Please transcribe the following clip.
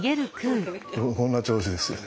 こんな調子ですよね。